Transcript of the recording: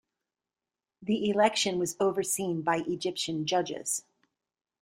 The election was overseen by Egyptian judges.